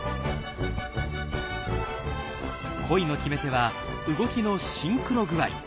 恋の決め手は動きのシンクロ具合。